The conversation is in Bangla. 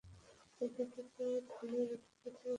এই জগতে ধনের অধিকারও ঐরূপ।